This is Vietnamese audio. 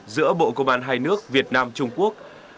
giữa bộ công an hai nước việt nam trung quốc